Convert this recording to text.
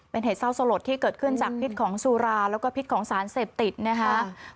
เป็นเหตุเศร้าสลดที่เกิดขึ้นจากพิษของสุราแล้วก็พิษของสารเสพติดนะคะ